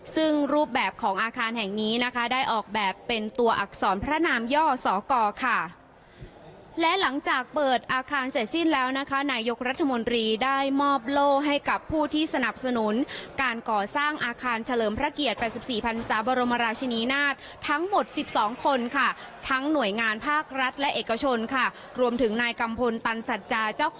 ซึ่งรูปแบบของอาคารแห่งนี้นะคะได้ออกแบบเป็นตัวอักษรพระนามย่อสกค่ะและหลังจากเปิดอาคารเสร็จสิ้นแล้วนะคะนายกรัฐมนตรีได้มอบโล่ให้กับผู้ที่สนับสนุนการก่อสร้างอาคารเฉลิมพระเกียรติ๘๔พันศาบรมราชินีนาฏทั้งหมด๑๒คนค่ะทั้งหน่วยงานภาครัฐและเอกชนค่ะรวมถึงนายกัมพลตันสัจจาเจ้าของ